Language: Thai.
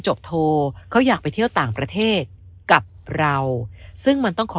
โทเขาอยากไปเที่ยวต่างประเทศกับเราซึ่งมันต้องขอ